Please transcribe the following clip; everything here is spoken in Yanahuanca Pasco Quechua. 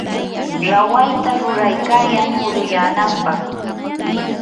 rawayta ruraykayan muruyanampaq.